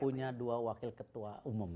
punya dua wakil ketua umum